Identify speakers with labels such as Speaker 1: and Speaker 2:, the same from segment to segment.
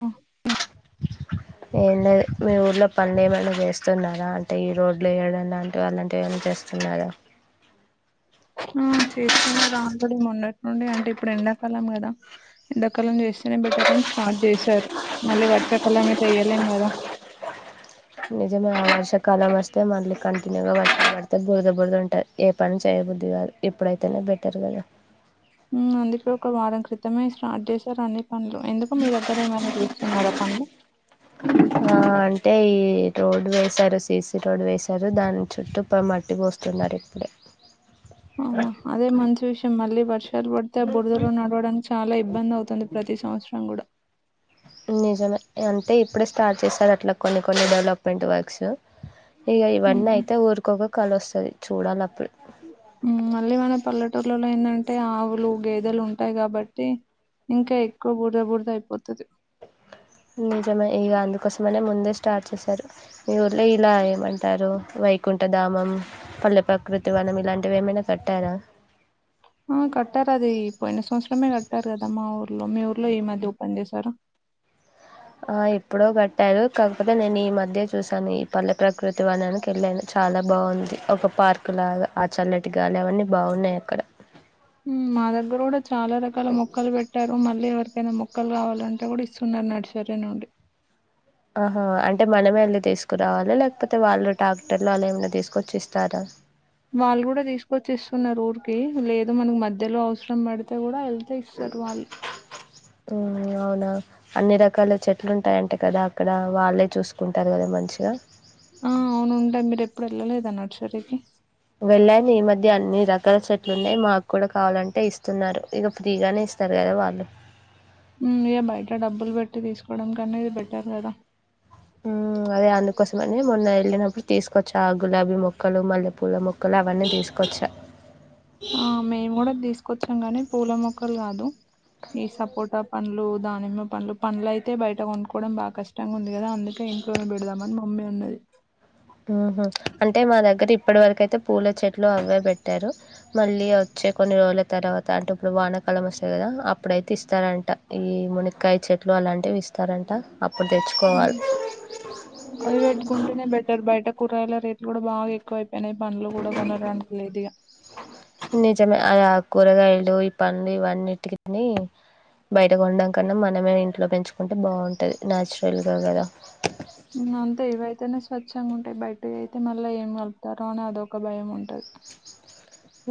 Speaker 1: హా ఉ.
Speaker 2: ఏంలేదు, మీ ఊర్లో పనులు ఏమైనా చేస్తున్నారా అంటే ఈ రోడ్లు ఏయడం లాంటివి అలాంటివి ఏమన్న చేస్తున్నారా.
Speaker 1: ఆ చేస్తున్నారు రా ఇప్పుడే మెన్నట్ నుండి అంటే ఇప్పుడు ఎండాకాలం కదా. ఎండకాలం చేస్తేనే బెట్ టర్ అని స్టార్ట్ చేసారు. మళ్ళీ వర్షాకాలం అయితే ఎయ్యలేం కదా.
Speaker 2: నిజమే ఆ వర్షాకాలం వస్తే మళ్ళీ కంటిన్యూగా వర్షం పడితే బురద బురుద ఉంటది. ఏ పని చేయబుద్ది గాదు ఇప్పుడైతేనే బెటర్ కదా.
Speaker 1: ఉమ్ అందుకే ఒక వారం క్రితమే స్టార్ట్ చేశారు అన్ని. పనులు. ఎందుకు మీ దగ్గర ఏమైనా చేస్తున్నార. పనులు.
Speaker 2: ఆ అంటే ఈ రోడ్డు వేసారు సీసీ రోడ్డు వేసారు. దాని చుట్టూ ఇప్ మట్టి పోస్తున్నారు ఇప్పుడే.
Speaker 1: అవునా అదే మంచి విషయం. మళ్ళీ వర్షాలు పడితే బురదలో నడవడం చాలా ఇబ్బంది అవుతుంది ప్రతి సంవత్సరం గూడా.
Speaker 2: నిజమే అంతే ఇప్పుడే స్టార్ట్ చేసారు అట్లా కొన్ని కొన్ని డెవలప్మెంట్ వర్క. ర్క్స్ ఇగ
Speaker 1: ఉమ్,
Speaker 2: ఇవన్నీ అయితే ఊరికొక కళ వస్తది చూడాలి అప్పుడు.
Speaker 1: ఉమ్ మళ్ళీ మన పల్లెటూర్లలో ఏందంటే ఆవులు గేదెలు ఉంటాయి కాబట్టి. ఇంకా ఎక్కువ బుర్ద బుర్ద అయిప్
Speaker 2: నిజమే ఇగందుక్ కోసమనే ముందే స్టార్ట్ చేశారు. మీ ఊళ్ళ ఇలా ఏమంటారు వైకుంఠధామం, పల్లె ప్రకృతి, వనం ఇలాంటివి ఏమైనా కట్టారా.
Speaker 1: ఆ కట్టార్ అదీ పొయిన సంవత్సరమే కట్టారు గదా మా ఊర్ లో. మీ ఊర్లో ఈ మధ్య ఓపెన్ చేశారా.
Speaker 2: ఆ ఎప్పుడో కట్టారు కాక్ [unintelligible] నేను ఈ మధ్య చూశాను. ఈ పల్లె ప్రకృతి వానానికి వెళ్ళాను చాలా బాగుంది. ఒక పార్క్ లాగా, ఆ చల్లటి గాలి అవన్నీ బాగున్నాయి అక్కడ.
Speaker 1: ఉమ్ మా దగ్గర కూడా చాలా రకాల మొక్కలు పెట్టారు. మళ్ళీ ఎవరికైనా మొక్కల్ కావాలంటే కూడా ఇస్తున్నారు నర్సరీ నుండి.
Speaker 2: ఆహా అంటే మనమే ఎళ్ళి తీస్ రావాలి లేకపోతే వాళ్ళు ట్రాక్టర్లు వాళ్ళు ఏమన్న తీసుకొచ్చి ఇస్తారా?
Speaker 1: వాళ్ళు గూడ తీసుకొచ్చి ఇస్తున్నారు ఊరికి లేద్ దు మనకు మధ్యలో అవసరం పడితే కూడా వెళ్తే ఇస్తరు వాళ్ళు.
Speaker 2: మ్మ్ అవునా అన్ని రకాల చెట్లు ఉంటాయంట కదా అక్కడ వాళ్ళే చూసుకుంటారు కదా మంచిగా‌.
Speaker 1: ఆ అవును ఉంటది మీరె ప్పుడు ఎళ్ళలేదా నడ్చరికి
Speaker 2: వెళ్ళాను ఈ మధ్య అన్ని రకాల చెట్లు ఉన్నాయి మాకు కూడ కావాలం టే ఇస్తున్నారు ఇగ ఫ్రీగానే ఇస్తారు కదా వాళ్ళు.
Speaker 1: హ్మ్ [unintelligible] ట్ల డబ్బులు పెట్టి తీసుకోవడం కన్న ఇది బెటర్ కదా.
Speaker 2: మ్మ్ అదే అందుకోసమని మొన్న వెళ్ళినప్పుడు తీసుకొచ్చా ఆ గులాబీ మొక్కలు, మల్లె పూల మొ క్కలు అవన్నీ తీసుకొచ్చ.
Speaker 1: కొచ్చం గాని పూల మొక్కలు కాదు. ఈ సపోట పండ్లు, దానిమ్మ పండ్లు, పండ్లు అయితే బయట కొన్కోవడం బాగ కష్టంగా ఉంది కదా, అందుకే ఇంట్లోనే పెడుదం అని మమ్మీ అన్నది.
Speaker 2: మ్మ్ హు అంటే మా దగ్గర ఇప్పటి వరకు అయితే పూల చెట్ ట్లు అవే పెట్టారు మళ్ళీ వచ్చే కొన్ని రోజుల తర్వాత అంటే ఇప్పుడు వానాకాలం వస్తది కదా అప్పుడైతే ఇస్తారంట. ఈ మునక్కకాయ చెట్లు అలాంటివి ఇస్తారంట. అప్పుడు తెచ్చుకోవాలి.
Speaker 1: కూరయల రేట్లు కూడ బా ఎక్కువ అయి పొయినై పండ్లు కూడ కొనడానికి లేదిగా.
Speaker 2: నిజమే అది ఆ కూరగాయలు ఈ పండ్లు ఇవన్నిటికిని బయట కొండం కన్న మనమే ఇంట్లో పెంచు కుంటే బాగుంటది న్యాచురల్గా కదా!
Speaker 1: అంతే ఇవైతేనే స్వచ్ఛంగా ఉంటయి బయ్ టయి అయితే మళ్ళా ఏం కల్పుతరో అని అదొక భయం ఉంటది.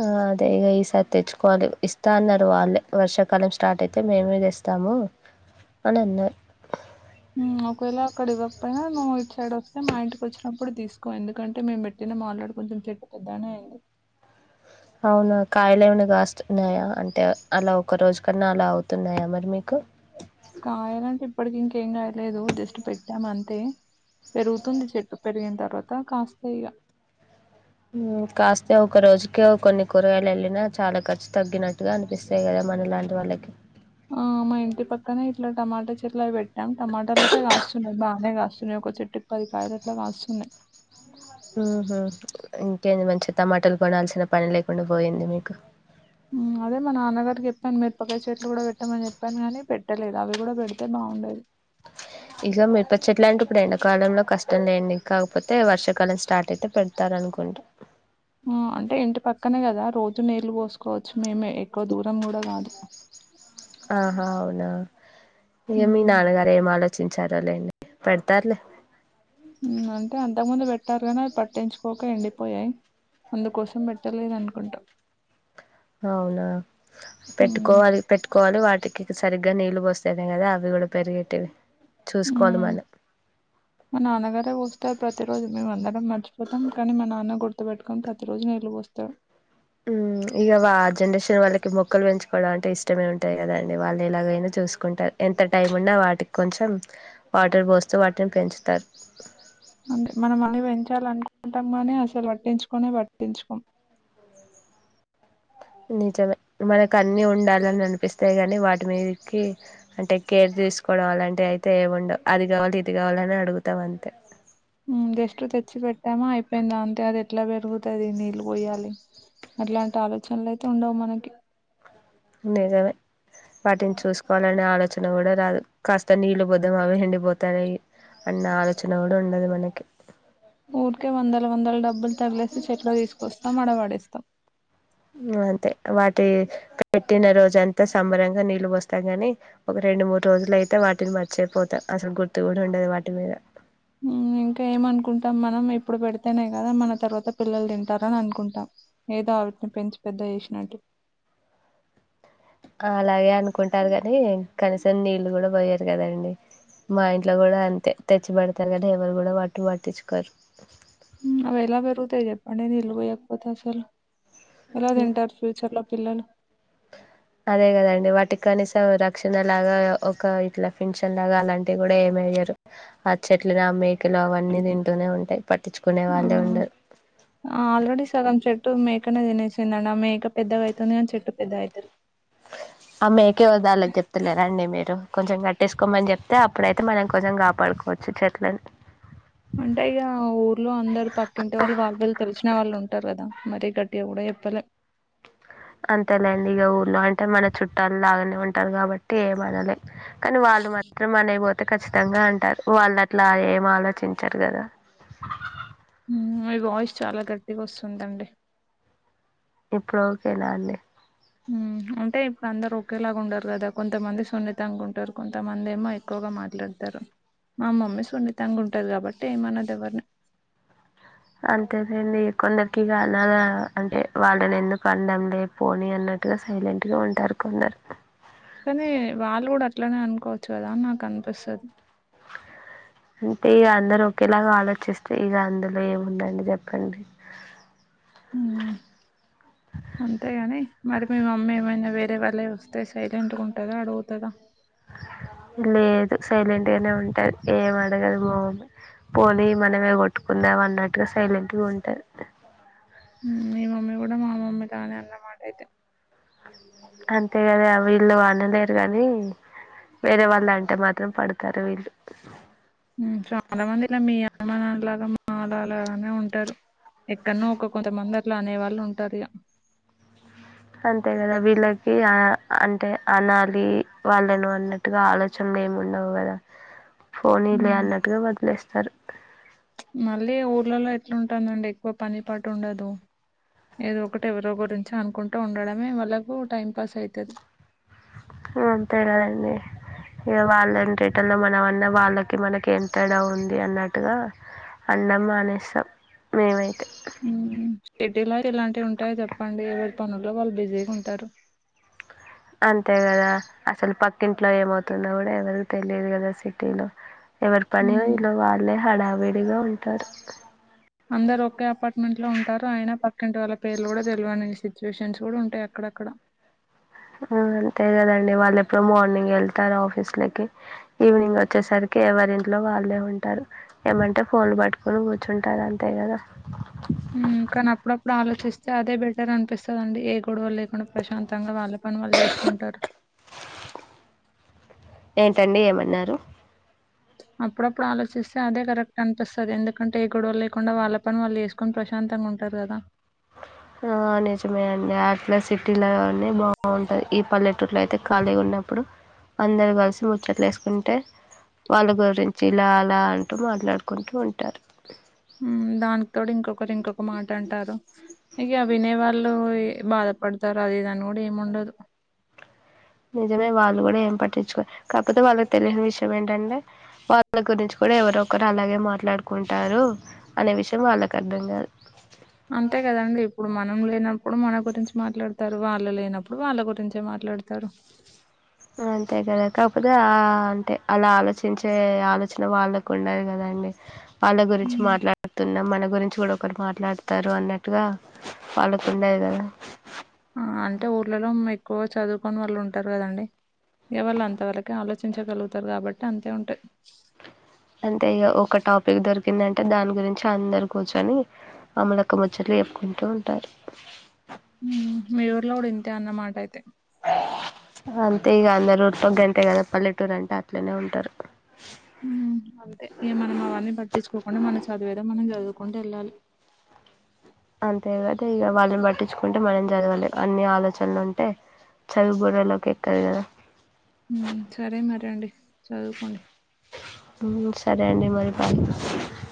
Speaker 2: ఆ అదే ఇగ ఈసారి తెచ్చు కోవాలి ఇస్తా అన్నారు వాళ్ళే, వర్షాకాలం స్టార్ట్ అయితే మేమె తెస్తాము అని అన్నరు.
Speaker 1: మ్మ్ ‌ఒకవేళ అక్కడ ఇవ్వకపోయినా నువ్వు ఇటు సైడ్ వస్తే మా ఇంటికి వచ్చి నప్పుడు తీసుకో ఎందుకంటే మేము పెట్టినం ఆల్రెడీ కొంచెం చెట్టు పెద్దగనే అయింది.
Speaker 2: అవునా కాయలు ఏమన కాస్తున్నాయా అంటే అలా ఒక రోజు కన్న అలా అవుతున్నాయా మరి మీ
Speaker 1: కాయలంటే ఇప్పటికి ఇంకెం గాయలేదు జస్ట్ పెట్టాం అంతే. పెరుగుతుంది చెట్టు పెరిగిన త ర్వాత కాస్తయి ఇగ
Speaker 2: మ్మ్ కాస్తే ఒక రోజుకే కొన్ని కూరగాయలు ఎళ్ళినా చాలా ఖర్చు తగ్గినట్టుగా అనిపిస్తాయి కదా మనలాంటి వాళ్ళకి.
Speaker 1: ఆ మా ఇంటి పక్కనే ఇట్లా టమాటా చెట్లవి పెట్టాం టమాటాలు ఐతే కాస్తున్నాయి బానే కాస్తున్నాయి ఒక చెట్టుకి పది కాయలు అట్లా కాస్తున్నాయి
Speaker 2: ఉహూ ఇంకేది మంచిది టమాటాలు కొనాల్సిన పని లేకుండా పోయింది మీకు
Speaker 1: అదే మ నాన్న గారు తను మిరపకాయ చెట్లు కూడా పెట్టమని చెప్పాను కానీ పె ట్టలేదు అవి కూడా పెడితే బావుండేది
Speaker 2: ఈ సారి మిరప చెట్లంటే ఇప్పుడు ఎండ కాలంలో కష్టం లేండి కాకపోతే వర్షాకాలం స్టార్ట్ అయితే పెడతారునుకుంటా
Speaker 1: మ్మ్ అంటే ఇంటి పక్కనే కదా రోజు నీళ్ళు పోసుకోవచ్చు మేమే ఎక్కువ దూరం కూడ కాదు
Speaker 2: ఆహా అవునా ఇగ మీ
Speaker 1: ఉమ్
Speaker 2: నాన్నగారు ఏం ఆలోచించారో లేండి పెడతారులే
Speaker 1: మ్మ్ అంటే అంతకు ముందు పెట్టారుగాని అవి పట్టించుకోక ఎండి పోయాయి అందుకోసం పెట్టలేదనుకుంటా
Speaker 2: అవునా
Speaker 1: ఉమ్
Speaker 2: పెట్టుకోవాలి పెట్టుకోవాలి వాటికి సరి గ్గా నీళ్లు పోస్తేనే కదా అవి కూడా పెరిగేటివి చూసుకోవాలి
Speaker 1: మ్మ్
Speaker 2: మనం.
Speaker 1: మా నాన్నగారే పోస్తారు ప్రతి రోజు మేము అందరం మర్చిపోతాం కానీ మా నాన్న గుర్త్ తు పెట్టుకొని ప్రతి రోజు నీళ్ళు పోస్తారు
Speaker 2: మ్మ్ ఇంగ వా జనరేషన్ వాళ్ళకి మొక్కలు వెంచు కోడమంటే అంటే ఇష్టమే ఉంటది కదండి వాళ్ళు ఎలాగైనా చూసుకుంటారు ఎంత టైం ఉన్నా వాటికి కొంచెం వాటర్ పోస్తూ వాటిని పెంచు టర్
Speaker 1: అంటే మనం మళ్ళీ పెంచాలనుకుంటాం కానీ అసలు పట్టించు కునే పట్టించుకోం
Speaker 2: నిజమే మనకు అన్ని ఉండాలని అనిపిస్తాయి గా లే వాటి మీదకి అంటే కేర్ తీసుకోవడం అలాంటివి అయితే ఏముండవ్ అది కావాలి ఇది కావాలని అడుగుతాం అంతే
Speaker 1: త్తామా అయిపోయిందా అంతే అది ఎట్లా పెరుగుతుది నీళ్ళు పొయ్యాలి అట్లాంటి ఆలోచనలు అయితే ఉండవు మనకి
Speaker 2: నిజమే వాటిని చూసుకోవాలని ఆలో చన కూడా రాదు కాస్త నీళ్లు పోద్దాం అవి ఎండిపోతాయి అన్న ఆలోచన కూడా ఉండదు వాళ్ళకి
Speaker 1: ఊరికే వందల వందల డబ్బులు తగిలేసి చెట్లు తీసుకొస్తాం అడవాడేస్తాం
Speaker 2: అంతే వాటి పెట్టినరోజ అంతా సంబరంగా నీళ్లు పోస్తాం గాని ఒక రెండు మూడు రోజులు అయితే వాటిని మర్చేపోతాం అసలు గుర్తు కూడా ఉండదు వాటి మీద
Speaker 1: ఇంకా ఏమనుకుంటాం మనం ఇప్పుడు పెడితేనేయి కదా మన తర్వాత పిల్లలు తింటారని అనుకుంటాం ఏదో అవిటిని పెంచి పెద్ద చేసినట్టు
Speaker 2: అలాగే అనుకుంటారు గ నీ కనీసం నీళ్ళు కూడా పోయరు కదండి మా ఇంట్లో కూడా అంతే తెచ్చి పెడుత్ తరు గనీ ఎవరు కూడా వాటు వట్టించుకోరు
Speaker 1: అవి ఎలా పెరుగుతాయి చెప్పండి నీళ్లు పోయాక పోతే అసలు ఎలా తింటారు ఫ్యూచర్ లో పిల్లలు
Speaker 2: అదే కదండి వాటికనీస రక్షణ లాగా ఒక ఇట్లా ఫింషన్ లాగా అలాంటివి కూడా ఏమయ్యారు ఆ చెట్లు మేకలు అవన్నీ తింటూనే ఉంటాయి పట్టించుకునే వాళ్ళే ఉండరు
Speaker 1: ఆ ఆల్రెడీ సగం చెట్టు మేకనే తినేసిందండీ ఆ మే పెద్దగావుతుంది చెట్టు పెద్ద అయితది
Speaker 2: అమ్మ ఏకేవదలోకి చెప్తలేరండి మీరు కొంచెం కట్టేసుకోమని చెప్తే అప్పుడైతే మనం కొంచెం కాపాడుకోవచ్చు చెట్లని
Speaker 1: అంటే ఇగ ఊర్లో అందరు పక్కింటి వాళ్ళు వాళ్ళళ్ళు తెలిసిన వాళ్ళు ఉంటారు కదా మరి గట్టిగా కూడా ఎప్పలే
Speaker 2: అంతేలేండి ఇగ ఊర్లో అంటే మన చుట్టాలు లాగానే ఉంటారు కాబట్టి ఏమనలే కానీ వాళ్ళు మాత్రం అనైపోతు అయితే ఖచ్చితంగా అంటారు వాళ్ళు అట్లా ఏం ఆలోచించరు కదా
Speaker 1: మీ వాయిస్ చాలా గట్టిగా వస్తుందండి
Speaker 2: ఇప్పుడు ఓకేనా అండి
Speaker 1: ఉహ్ అంటే ఇప్పుడు అందరు ఒకేలాగా ఉండరు కదా కొంతమంది సున్నితంగా ఉంటారు కొంతమంది ఏమో ఎక్కువగా మాట్లాడతారు మా మమ్మీ సున్నితంగ ఉంటు ఉంటది కాబట్టి ఏమన్నది ఎవరిని
Speaker 2: అంతేలెండి కొందరికి కాలాల అంటే వాళ్ళని ఎందుకు అనడం లే పోని అన్నట్టుగా సైలెంట్ గా ఉంటారు కొందరు
Speaker 1: కానీ వాళ్ళు కూడా అట్లనే అనుకోవచ్చు కదా అని నాకు అనిపిస్తాది
Speaker 2: అంటే ఇక అందరు ఒకేలాగా ఆలోచిస్తే ఇక అందులో ఏముందండి చెప్పండి.
Speaker 1: ఉమ్ అడిగే వాళ్ళ వస్తే సైలెంట్ గా ఉంటుందా అడుగుతదా
Speaker 2: లేదు సైలెంట్ గానే ఉంటాది ఏం అడగదు మా మమ్మి పోని మనమే కొట్టుకుందామ అన్నట్టు అటుగా సైలెంట్ గా ఉంటాది
Speaker 1: ఆహ్ మీ మమ్మీ కూడా మా మమ్మీ లాగే అనమాట అయితే
Speaker 2: అంతే కదా వీల్లు వాళ్లులేరు గాని వేరే వాళ్ళ అంటే మాత్రం పడుతు కరివిలు
Speaker 1: ఆహ్ చాలా మందిల మీ మీ అమ్మానాన్నల లాగా మా అమ్మానాన్నలు కూడా ఉంటారు. ఎక్కన్నో ఒక కొంతమంది అట్లా అనే వాళ్ళు ఉంటారు ఇగా
Speaker 2: అంతే కదా వీలకి ఇగా అంటే అనాలి వాళ్ళను అన్నట్టుగా ఆలోచనలు ఏమి ఉండవు కదా ఫోని లే అన్నట్టుగా వదిలేస్తారు.
Speaker 1: మళ్ళీ ఊళ్ళలో ఎట్లాంటుందండి ఎక్కువ పని పాటు ఉండదు ఏదో ఒకటి ఎవరో గురించి అనుకుంటూ ఉండడమే వాళ్ళకు టైంపాస్ అయితాది.
Speaker 2: అంతే కదండి ఇక వాళ్ళన్ని రీటన్లో మనమన్న వాళ్ళకి మనకి ఎమ్ తేడా ఉంది అన్నట్టుగా అన్నం మానేస్తాం మేమైతే
Speaker 1: ఆహ్ సిటి లో ఇలాంటి ఉంటాయి చెప్ప ప్పండి ఎవరి పనుల్లో వాళ్ళు బిజీగా ఉంటారు.
Speaker 2: అంతే కదా అసలు పక్క ఇంట్లో ఏమవుతుందో కూడా ఎవరికి తెలియదు కదా సిటీలో ఎవరు పని
Speaker 1: ఉమ్
Speaker 2: వీళ్ళు వాలె హడావీడిగా ఉంటారు
Speaker 1: అందరు ఒకే అపార్ట్మెంట్ లో ఉంటారు ఆయన పక్కింటి వాళ్ళ పేర్లు కూడా తెలివనిచి సిచ్యేషన్స్ కూడా ఉంటాయి అక్కడక్కడ
Speaker 2: అంతే కదండి వాళ్ళు ఎప్పుడు మార్నింగ్ వెళ్తారు ఆఫీస్లకి ఈవినింగ్ వచ్చేసరికి ఎవరింట్లో వాళ్ళే ఉంటారు ఏమంటే ఫోన్లు పట్టుకొని కూర్చుంటారు అంతే కదా
Speaker 1: ఆహ్ కానీ అప్పుడప్పుడు ఆలోచిస్తే అదే బెటర్ అనిపిస్తాదండి ఏ గొడవ లేకుండా ప్రశాంతంగా వాళ్ళ పని వాళ్ళు చేసుకుంటారు
Speaker 2: ఏంటండి ఏమన్నారు
Speaker 1: అప్పుడప్పుడు ఆలోచిస్తే అదే కరెక్ట్ అనిపిస్తాది ఎందుకంటే ఏ గొడవలు లేకుండా వాళ్ళ పని వాళ్ళు వసుకొని ప్రశాంతంగా ఉంటారు కదా
Speaker 2: ఆహ్ నిజమే అండి అట్లా సిటీలోనే బాగుంటాది ఈ పల్లెటూర్లో అయితే ఖాళీగా ఉన్నప్పుడు అందరు కలిసి ముచ్చట్లు వేసుకుంటే వాళ్ళ గురించి ఇలా అలా అంటూ మాట్లాడుకుంటూ ఉంటారు.
Speaker 1: ఆహ్ దానికి తోడు ఇంకొ ఒకరు ఇంకొక మాట అంటారు ఇగా వినే వాళ్ళు భాధపడతారు అది ఇది అని కూడా ఏమి ఉండదు
Speaker 2: నిజమే వాళ్ళు కూడా ఏం పట్టించుకో కాకపోతే వాళ్ళకి తెలీని విషయం ఏంటంటే వాళ్ళ గురించి కూడా ఎవరో ఒకరు అలాగే మాట్లాడుకుంటారు అనే విషయం వాళ్ళకు అర్థం కాదు
Speaker 1: అంతే కదండి ఇప్పుడు మన మనం లేనప్పుడు మన గురించి మాట్లాడతారు వాళ్ళ లేనప్పుడు వాళ్ళ గురించే మాట్లాడతారు
Speaker 2: అంతే కదా కాకపోతే ఆ అంటే అలా ఆలోచించే ఆలోచన వాళ్ళకు ఉండదు కదండి వాళ్ళ గురించి
Speaker 1: ఉమ్.
Speaker 2: మాట్లాడుతున్నాం మ ళ్ళ గురించి కూడా ఒకరు మాట్లాడుతారు అన్నట్టుగా వాళ్ళకుండది కదా
Speaker 1: ఆ అంటే ఊర్లలో ఉన్నయి కో చదువుకొని వాళ్ళు ఉంటారు కదండి ఈ వాళ్ళు అంతవరకే ఆలోచించగలుగుతారు కాబట్టి అంతే ఉంటాయి
Speaker 2: అంతే ఇగ ఒక టాపిక్ దొరికిందంటే దాని గురించి అందరూ కూర్చొని అమ్మలక్క ముచ్చట్లు చెప్పుకుంటూ ఉంటారు
Speaker 1: తే అన్నమాటైతే
Speaker 2: ప్చ్ అరంత్ తే ఇగ అందరూ పగ్గ్ అంతే కదా పల్లెటూరు అంటే అట్లనే ఉంటారు.
Speaker 1: హ్మ్ అంతే ఇగ మనం అవన్నీ పట్టించుకోకుండా, మన చదివేదా మనం చదువుకుంటూ వెళ్ళాలి.
Speaker 2: అంతే కదా ఇగ వాళ్ళని పట్టించుకుంటే మనం చదవలే అన్ని ఆలోచనలుంటే చదువు బుర్రలోకి ఎక్కదు కదా
Speaker 1: ఊ సరే మరి అండి చదువుకోండి
Speaker 2: సరే అండి మరి పనికిపోత్